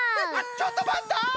ちょっとまった！